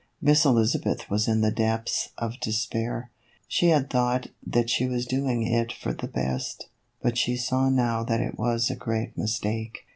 Miss Eliza beth was in the depths of despair ; she had thought that she was doing it for the best, but she saw now that it was a great mistake.